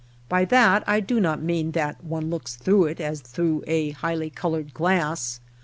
By that I do not mean that one looks through it as through a highly colored glass.